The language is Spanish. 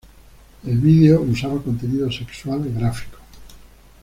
El vídeo usaba contenido sexual gráfico.